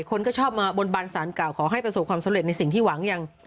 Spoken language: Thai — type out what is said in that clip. คนก็ชอบมาบนบานสารเก่าขอให้ประสบความสำเร็จในสิ่งที่หวังยัง